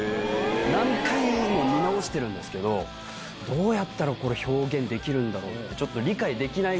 何回も見直してるんですけどどうやったらこれ表現できるんだろう？って。